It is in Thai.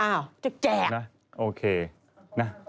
อ้าวบ๊วยพี่แจกท์นะโอเคเอาไปให้มายูนะ